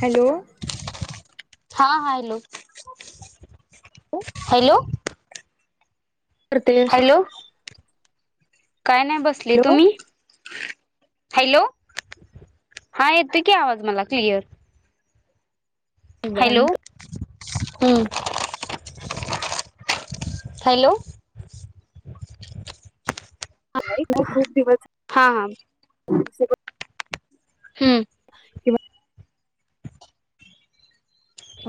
Hello? हा hello. Hello! करतेस hello काय नाई, बसले. हॅलो तुम्ही? हॅलो! हा येतोय की आवाज मला क्लिअर. हॅलो निवांत हम्म. हॅलो? नाही गं. खूप दिवस हा हा [unintelligible] हूं!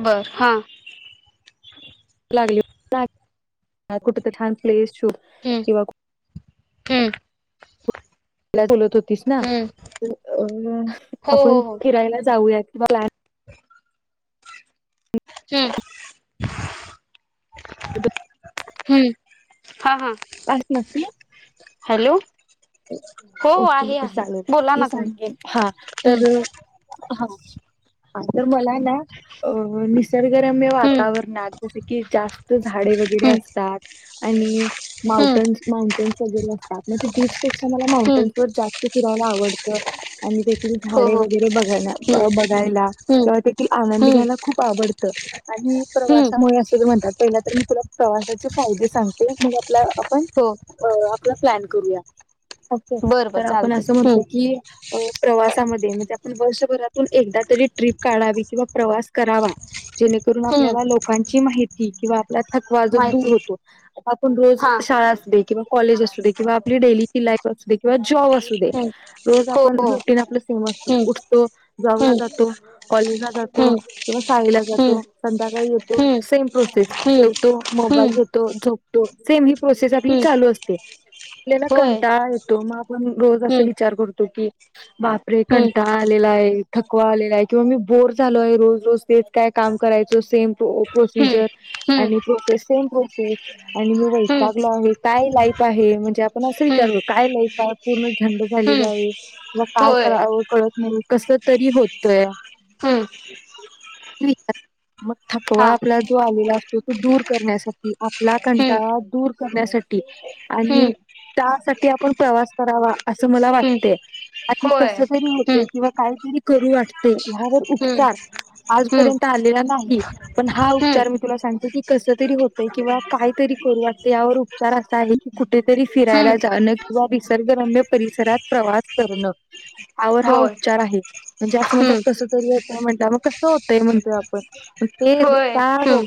बरं हा! लागली कुठ तर छान प्लेस शूट किंवा [unintelligible] हूं! लई बोलत होतीस ना तर अ हो हो आपण हो फिरायला जाऊयात बला हूं! हूं! हां हां आज हॅलो. हो हो ओकेे, आहे ओके आहे चालेल बोला मी ना तुम्ही सांगेन हा हम्म तर हा तर मला ना अ निसर्गरम्य हम्म वातावरणात जसे की जास्त झाडे वगैरे हम्म असतात आणि हम्म माउंटेन माउंटन्स वगैरे असतात, म्हणजे बीचपेक्षा मला हम्म माउंटन्स वर जास्त फिरायला ला आवडतं आणि ते हो झाडे हो वगैरे बघायला, हम्म बघायला, हम्म तेव्हा तेथील आनंद हम्म घ्यायला खूप आवडतं मी हम्म प्रवासामुळे असंच म्हणतात, पहिला तर मी तुला प्रवासाचे फायदे सांगते, मग आपला, आपण, हो आपला प्लॅन करूया अच्छा बर बर तर आपण चालते असं हम्म म्हणतो की अ प्रवासामध्ये म्हणजे आपण वर्षभरातून एकदा तरी ट्रिप काढावी किंवा प्रवास करावा जेणेकरून हम्म आपल्याला लोकांची माहिती किंवा आपल्या थकवा जो दूर माहिती होतो, आपण रोज हा शाळा असूदे, किंवा कॉलेज असू दे, किंवा आपली डेली लाईफ असूदे, किंवा जॉब असु दे, हम्म रोज हो आपण हो रुटीन आपलं सेम असतं, हम्म उठतो जॉबला हम्म जातो, कॉलेजला जातो हम्म किंवा शाळेला हम्म जातो, संध्याकाळी येतो हम्म सेम प्रोसेस हम्म जेवतो मग हम्म मोबाईल घेतो झोपतो, सेम ही प्रोसेस आपली हम्म चालू असते, आपल्याला कं होय टाळा येतो, मग आपण रोज असं हम्म विचार करतो की बापरे हम्म कंटाळा आलेला आहे. थकवा आलेला आहे, किंवा मी बोर झालो आहे, रोज, रोज तेच काय काम करायचं सेम हम्म प्रोसिजर हम्म आणि प्रोसेस सेम प्रोसेस, आणि मी हम्म वैतागलो आहे काय लाईफ आहे, म्हणजे आपण असं हम्म विचार कर काय लाईफ आहे, पूर्ण झंड झालेली हम्म आहे किंवा काय होय करावं कळत नाही कसं तरी होतंया हम्म नाही का मग थकवा हा आपला जो आलेला अस तो तो दूर करण्यासाठी आपला हम्म कंटाळा दूर करण्यासाठी आणि हम्म त्यासाठी आपण प्रवास करावा, असं मला हम्म वाटतय. असं होय कसं तरी हम्म होतंय, किंवा कायतरी करू वाटतंय ह्यावर हम्म उपचार हम्म आजपर्यंत आलेला नाही. पण हा हम्म उपचार मी तुला सांगते की, कसं तरी होतय किंवा काय तरी करू वाटतेय, यावर उपचार असा आहे की, कुठेतरी हम्म फिरायला जाणं किंवा निसर्गरम्य परिसरात प्रवास करणं. आवर हा होय उपचार आहे. म्हणजे असं म्हणतात हम्म कसं तरी होतंय म्हणल्याव मग, कसं होतंय म्हणतोय आपण? [unintelligible] होय हम्म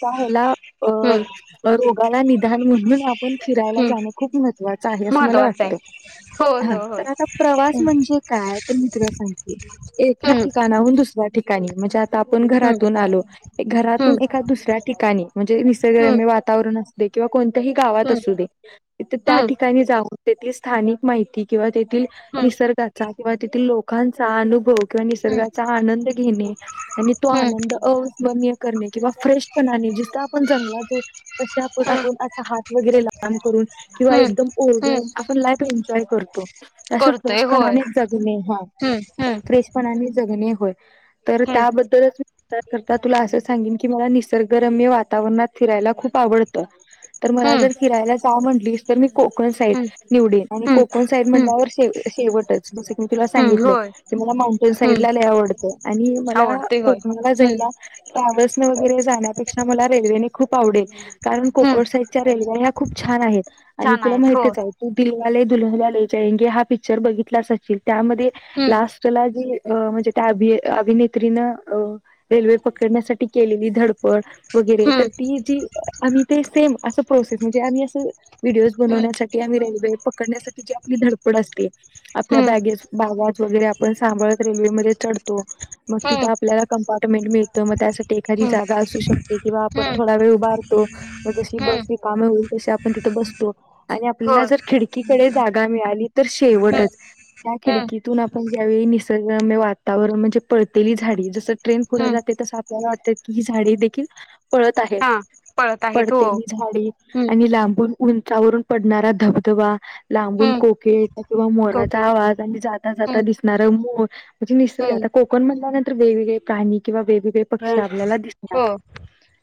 त्या हेला अ हम्म रोगाला निदान म्हणून आपण फिरायला हम्म जाणं खूप मह त्वाच आहे असं मला महत्वाचं आहे वाटतं. होय हा होय होय तर आता प्रवास म्हणजे काय? तर मी तुला सांगते, एका हम्म ठिकाणाहून दुसऱ्या ठिक काणी म ज्यात आपण घरातून आलो, हम्म घरातून हम्म एका दुसऱ्या ठिकाणी म्हणजे हम्म निसर्गम्य वातावरण अस सू दे, किंवा कोणत्याही गावात हम्म आसू दे तिथं हम्म त्या हम्म ठिकाणी जाऊन तेथे स्थानिक माहिती किंवा ते थील हम्म निसर्गाचा किंवा तेथील लोकांचा अनुभव किंवा निसर्गाचा आनंद घेणे, आणि तो हम्म आनंद अविस्मरणीय करणे. किंवा फ्रेश पणाने, जिथं आपण जंगलात जाऊ तसे आपण हम्म आपुण अस हात वगैरे लांब करून किंवा हम्म एकदम हम्म ओरडून आपण लाईफ एन्जॉय करतो. तं करतोय होय फ्रेशपणाने जगणे, हा हम्म हम्म फ्रेशपणाने जगणे होय. तर हम्म त्याबद्दलच त्याकरता तुला असं सांगेन की मला निसर्गरम्य वातावरणात फिरायला खूप आवडतं. तर मला हम्म जर फिरायला जा म्हटलीस तर मी कोकण साईड हम्म निवडेन आणि हम्म कोकण साईड हम्म म्हटल्यावर शेव शेवटचं. मी तुला हम्म सांगितलं होय की मला माउंटेन हम्म साईडला लय आवडतं, आणि मला आवडते होय कोकणाला हम्म जायला ट्रॅव्हल्स न वगैरे जाण्यापेक्षा मला रेल्वेने खूप आवडेल, कारण हम्म कोकण साईडच्या रेल्व्या ह्या खूप छान आहेत. आणि छान तुला आहेत हो माहितच हाय तू दिलवाले दुल्हनिया ले जायंगे हा पिक्चर बघितलाच असशील. त्यामध्ये हम्म लास्टला जे अ म्हणजे त्या अभि अभिनेत्रीनं अ रेल्वे पकडण्यासाठी केलेली धडपड वगैरे हम्म तर ती जी आम्ही ते सेम असं प्रोसेस म्हणजे आम्ही असं व्हिडओज हम्म बनवण्यासाठी आणि रेल्वे पकडण्यासाठी जी आपली धडपड असते आपल्या हम्म बॅग वगैरे आपण सांभाळत रेल्वेमध्ये चढतो. मग हम्म तिथं आपल्याला कंपार्टमेंट मिळतं, मग त्यासाठी एखादी हम्म जागा असू शक ते किंवा आपण हम्म थोडा वेळ उभारतो मग जशी हम्म बस रिकामी होईल तशी आपण तिथं बस तो. आणि आपल्याला होय जर खिडकीकडे जागा मिळाली तर हम्म शेवटच त्या हम्म खिडकीतून आप म ज्यावेळी निसर्गरम्य वातावरण म्हणजे पळतेली झाडी जसं ट्रेन पुढे हम्म जाते तसं आपल्याला वाटतंय की झाडे देखील पळत आहेत, हा पळत आहेत हो पडतेली झाडे हम्म आणि लांबून उंचावरून पडणारा धबधबा लांबून हम्म कोके ळ किंवा मोराचा कोकिल आवाज आणि जाता जाता हम्म दिसणारं मोर म्हणजे निसर्ग हम्म आता कोकण म्हणल्या तर वेगवेगळे प्राणी किंवा वेगवेगळे पक्षी आपल्याला दिसणार. हो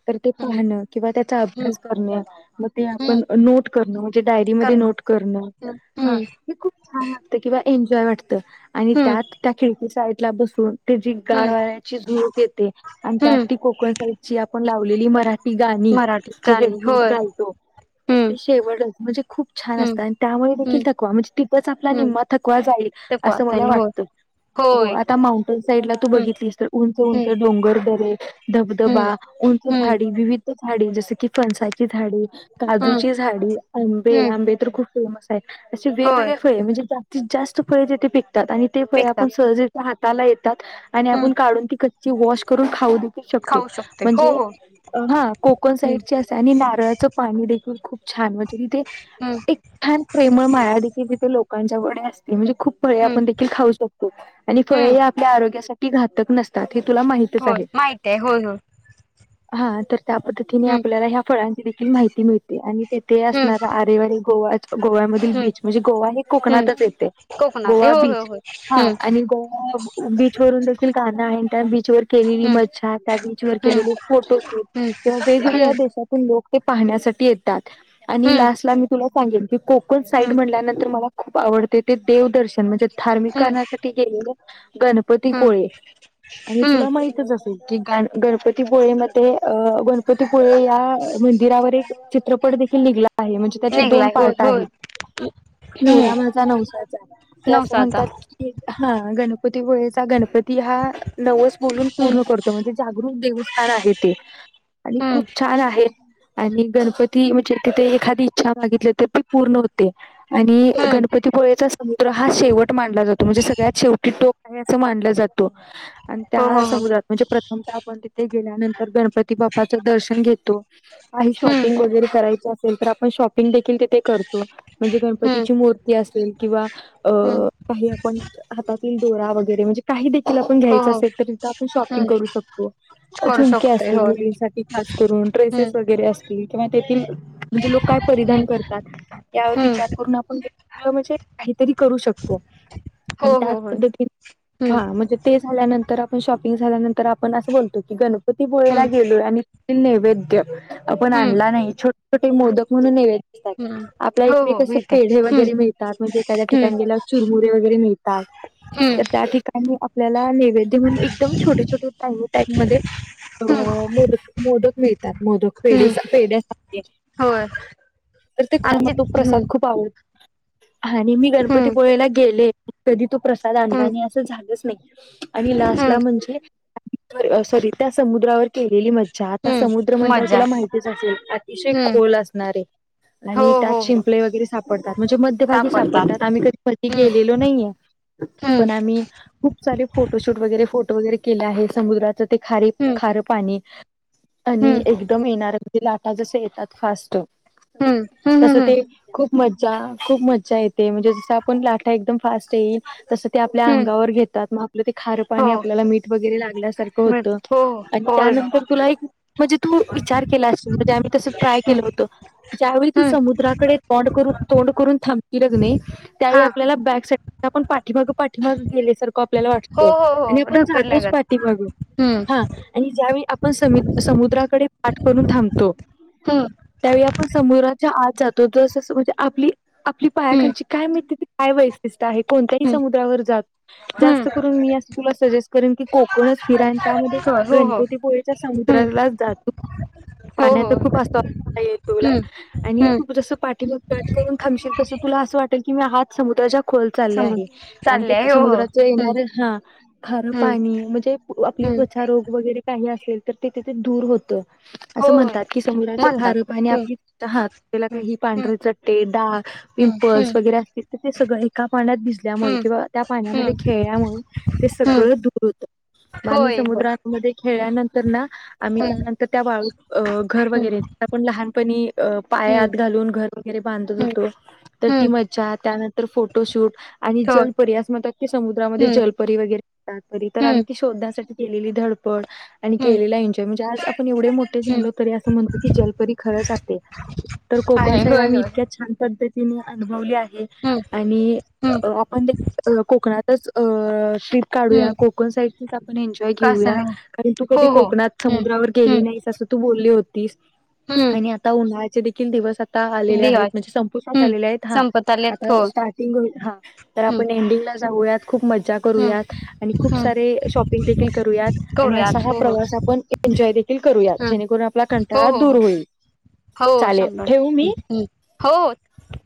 तर ते हम्म पाहणं किंवा त्याचा हम्म अभ्यास करणं म ते हम्म आपण नोट करण. म्हणजे डायरी मध्ये कर्ण नोट करणं हम्म हा हम्म हे खूप छान वाटतं किंवा एन्जॉय वाटतं त आणि त्यात त्या खिडकी साईड ला बसून, ते जी गार हम्म वाऱ्याची झुळूक येते आणि त्यात हम्म ती कोकण साइडची आपण लावलेली मरा टी गाणी. मराठी जे गाणी हेडफोन्स होय घालतो. हम्म ते शेवटच म्हणजे खूप छान हम्म असतं, आणि त्यामुळे देखील हम्म थकवा म्हणजे तिथंच आपला निम्मा थकवा जाईल. थकवा असं मला होय. वाटतं. हो होय आता माउंटन साईड ला तू हम्म बघितलीस तर उंच हम्म उंच डोंगरदरे, हम्म धबधबा उंच हम्म झाडी विविध झाडे जसं की फणसाची झाडे, हम्म काजूची झाडे, आंबे हम्म आंबे तर खूप फेमस असे होय वेगवेगळे फळे म्हणजे जास्तीत जास्त फळे तिथे पिकतात आणि ते फळे आपण विकतात सहज हात ला येतात आणि हम्म आपण काढून ती कच्ची वॉश करून खाऊ. खाऊ शकते हो म्हणजे हो हा कोकन हम्म साईड अस आणि नारळा दे खूप छान म्हणज तिथे हम्म एक छान प्रेमळ माया देखील तिथे लोक लच्या व असते म्हणजे खूप फळे हम्म आपण देखील खाऊ शकतो आणि हम्म फळे आपल्या आरोग्यासाठी घातक नसतात हे तुला माहितच होय आहे. माहित आहे होय होय हा तर त्या पद्धतीने हम्म आपल्याला ह्या फळांची देखील माहिती मिळते आणि तेिथे हम्म असणारा आरेवाडी गोवा गोव्यामधील हम्म बीच म्हणजे गोवा हे हम्म कोकणातच येते. कोकणात आहे गोवा होय होय बीच होय हा हम्म आणि गोवा बीच वून देखील गाणं त्या बीच व के मज्छा त्या बीच व हम्म केलेले फोटोशूट हम्म किं वेगवेगळ्या हम्म देशातून लोक ते पाहण्यासाठी येतात आणि हम्म लास्ट ला मी तुला सांगेन की कोकण हम्म साईड हम्म म्हणल्यानंतर मला खूप आवडते ते देवदर्शन म्हणजे धार्मिक हम्म कारण्यासाठी गेलेले. गणपती हम्म पोळे आणि हम्म तुला माहितच असेल. कि गण गणपतीपुळे मध्ये अ गणपतीपुळे या म्हण. चित्रपट दे निघला आहे म्हणे त्याचे दोन निघलाय होय पार्ट आहे. होय हम्म नवरा माझा नवसाचा क असं नवसाचा म्हणतात की हा गणपती पुळेचा गणपती ती हा नवस बोलून हम्म पूर्ण करतो म्हणजे जागरूक देवस्थान आहे ते आणि हम्म खूप छान आहे. आणि गणपती म्हणजे तिथे एखादी इच्छा मागितली तर ती पूर्ण होते. आणि हम्म गणपतीपोळेचा समुद्र हा शेवट मानला जातो म्हणजे सगळ्यात शेवटी टोक आहे असं मानला जा तो आणि हो त्या हो हो समुद्रात प्रथमतः आपण तिथे गेल्यानंतर गणपती बा्पाच दर्शन घेतो काही हम्म शॉपिंग वगैरे करायच असे ल तर आपण शॉपिंग देखील तिथे करतो म्हणजे हम्म गणपतीची मूर्ती असेल किंवा अ हम्म काही आपण हातातील दोरा वगैरे म्हणजे काही देखील ण हो घ्यायच हो असेल तर तिथ आपण शॉपिंग हम्म करू शकतो करू झुमके शकतोय असतील होय मुलींसाठी खास करून ड्रेसेस हम्म वगैरे आसतील किंव्हा तेथील म्हणजे लोक काय परिधान हम्म करतात यावर विचार हम्म करून आपन म्हणजे काहीतरी करू शकतो. आणि हो त्याच हो होय पद्धतीने हम्म हा म्हणजे ते झाल्यानंत तर आपण शॉपिंग झाल्यानंतर आपण असं बोलतो की गणपती पोळेला हम्म गेलोय आणि तेथील नैवेद्य आपण आणला हम्म नाही छोटे टे मोदक म्हणून नेवेत हम्म [unintelligible] आपल्या हो इकडे हो कस माहित पेढे आहे हम्म वगैरे मि ळतात म्हणजे एखाद्या हम्म ठिकाणी गेल्यावर चिरमुरे वगैरे मिळतात हम्म तर त्या ठिकाणी आ पला नेवैद्य म्हणून एकदम छोटे छोटे [unintelligible] टाईप मध्ये हम्म मोदक मोदक मिळतात मो हम्म पेढेसा पेढे असतात ते होय तर ते खूप म आमची तो प्रसाद हम्म खूप आवड आणि मी गणपती हम्म पोळेला गेले कधी तो प्रसाद आणला हम्म नाही असं झालंच नाही. आणि लास्टला हम्म म्हणजे सॉरी त्या समुद्रावर केलेली मजा च्या आता समुद्र हम्म म्हंटल्यावर मजा तीला माहितीच असेल अतिशय हम्म खोल असणारे हो आणि त्यात हो हो शिंपले वगैरे सापडतात म्हणजे मध्यभागी सापडतात आम्ही कधी कधी हम्म गेलेलो नाहीये. हम्म पण आम्ही खूप सारे फोटोशूट वगैरे फो टो वगैरे केल आहे समुद्राच ते खारे हम्म खार पाणी आणि हम्म एक कारण ते लाटा जसं येतात फास्ट हम्म हम्म तसं हम्म हम्म ते खूप मज्जा खूप मज्जा येते म्हणजे जस आपण लाटा एकदम फास्ट येईल तसं ते आपल्या हम्म अंगावर घेतात मग आपलं ते खारं हो पाणी आपल्याला मीठ वगैरे लागल्यासारखं होतं. मिळते हो आणि हो त्यानंतर हम्म तुला एक म्हणजे तू विचार केला आशिल त ते आम्ही तसं ट्राय केलं होत ज्यावेळी तू हम्म समुद्राकडे तोड करून तोंड कर थांबतील कणी त्यावेळी हा आपल्याला बॅक साईटन आपण पाठीमाग पाठीमाग गेल्यासारखं आपल्याला हो वाटतं हो हो आणि आपण ढकल जातोच लागत पाठीमाग. हम्म हा आणि ज्यावेळी आपण समु समुद्राकडे पाठ करून थांबतो हम्म त्यावेळी आपण समुद्राच्या आत जातो तस तस म्हणजे आपली आपली हम्म पायाखालची काय माहीती ती काय [unintelligible] जात आहे. कोणत्याही हम्म समुद्रावर जा जास्त हम्म करून मी आस तुला सजेस्ट करेन की कोकणचं फिर आणि त्या मध्ये हो हो गणपतीपुळेच्या हम्म समुद्राला जा तू हो हो पाण्याचा खूप असतो [inaudible] येईल तुला हम्म आणि हम्म तू जस पाठीमागे पाठ करून थांबशील तस तुला असं वाट टेल कि मी हात समुद्राच्या खोल चाले समज आहे आणि ते चालले हो हो समुद्राचे हम्म येणार हा खारं हम्म पाणी म्हणजे पू आपली हम्म त्वचारोग वगैरे काही असेल तर ते तिथे दूर होत. आसं होय म्हणतात की समुद्राच म्हणतात खार पाणी हम्म आपली फक्त हात ज्याला काही हम्म पांढरे चट्टे, डाग हम्म हम्म पिंपल्स वगैरे असतील तर ते सगळं एका पाण्यात भिजल्यामुळे हम्म किंवा त्या पाण्यामध्ये हम्म खेळल्यामुळे ते हम्म सगळं दूर होतं. मग आम्ही होय होय समुद्रामध्ये खेळल्यानंतर ना आम्ही हम्म त्यान त्या वाळूत अ घर वगैरे आपण लहानपणी अ हम्म पायात घालून घर वगैरे बांधत हम्म होतो. तर हम्म ती हम्म मज्जा त्यानंतर फोटोशूट आणि होय जलपरी अस म्हणतात कि समुद्रामध्ये हम्म जलपरी वगैरे असतात परी तर हम्म आम्ही शोधण्यासाठी केलेली धडपड आणि हम्म केलेला एन्जॉय म्हणजे आज आ एवढे मोठे हम्म झालो तरी अस म्हणतो कि जलपरी खरंच असते तर कोकण आहे साईड होय आम्ही होय इतक्या छान पद्ध तीने अनुभवल आहे हम्म आणि हम्म अ आपण जे कोकणातचं अ ट्रिप काढूया हम्म कोकण साईडचीच आपण एन्जॉय घेऊया कासना कारण तू हो कधी हो कोकणात हम्म समुद्रावर गेली हम्म नाहीस अस तू बोली होतीस. आणि हम्म आता उन्हाळ्याचे देखील दिवस ता आलेले आहेत, देवाच म्हणजे संपुष्टात हम्म आलेले आहेत. हा संपत आल्यात आत्ता हो स्टार्टींग हा, तर हम्म आपण एंडिंगला जाऊयात खूप मज्जा हम्म करूयात, आणि खूप हम्म सारी शॉपिंग देखील करूयात, आणि असा करूयात हा हो हो प्रवास आपण एन्जॉय देखील करूयात. हम्म जेणेकरून आपला हो कंटाळा हो दूर हो होईल. हो चालेल शंभर ठेवू मी टक्के, हो.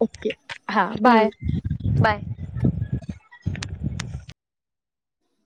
ओके हा बाय. हम्म, बाय.